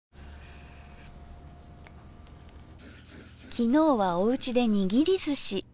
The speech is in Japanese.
昨日はおうちでにぎりずし。